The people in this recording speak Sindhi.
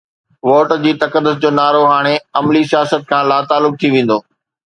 ووٽ جي تقدس جو نعرو هاڻي عملي سياست کان لاتعلق ٿي ويندو.